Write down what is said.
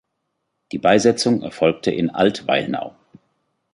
Die Beisetzung erfolgte in Altweilnau.